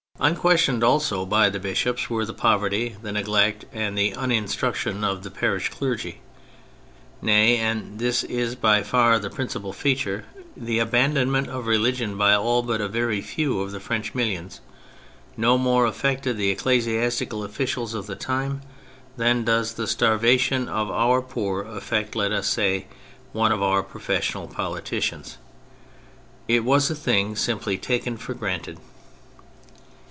Unquestioned also by the bishops were the poverty, the neglect, and the unin struction of the parish clergy; nay — and this is by far the principal feature — the abandon ment of religion by all but a very few of the French millions, no more affected the eccle siastical officials of the time than does the starvation of our pK)or affect, let us say, one of our professional politicians. It was a thing simply taken for granted.